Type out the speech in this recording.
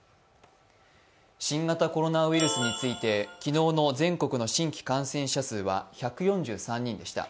新型コロナウイルスについて昨日の全国の新規感染者数は１４３人でした。